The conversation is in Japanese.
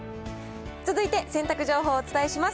続いて洗濯情報をお伝えします。